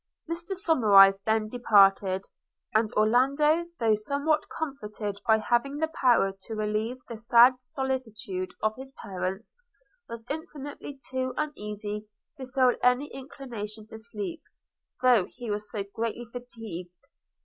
Mr Somerive then departed; and Orlando, though somewhat comforted by having the power to relieve the sad solicitude of his parents, was infinitely too uneasy to feel any inclination to sleep, though he was so greatly fatigued.